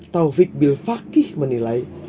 taufik bil fakih menilai